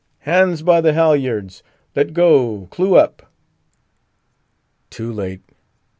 "Hands by the halyards! Let go! Clew up!" Too late.